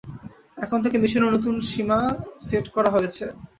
এখন থেকে, মিশনের নতুন সীমা সেট করা হয়েছে।